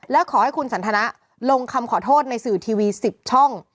แล้วขอให้คุณสันทนะลงคำขอโทษในสื่อทีวี๑๐ช่อง